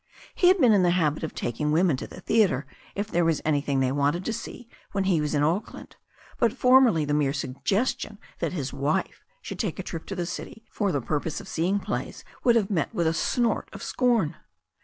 He had been in the habit of taking women to the theatre if there was anything they wanted to see when he was in Auckland, but formerly the mere suggestion that his wife should take a trip to the city for the purpose of seeing plays would have met with a snort of scorn.